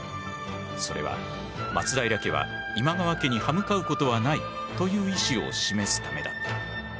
それは松平家は今川家に歯向かうことはないという意志を示すためだった。